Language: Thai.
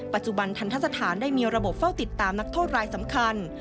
ทันทสถานได้มีระบบเฝ้าติดตามนักโทษรายสำคัญ